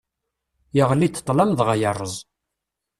Yeɣli-d ṭṭlam dɣa yerreẓ.